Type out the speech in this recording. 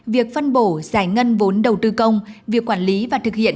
việc phân bổ giải ngân vốn đầu tư công việc quản lý và thực hiện